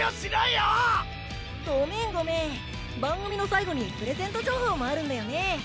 ごめんごめん番組の最後にプレゼント情報もあるんだよね。